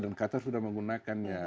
dan qatar sudah menggunakannya